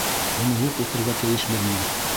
Уны юҡ итергә тейешбеҙме?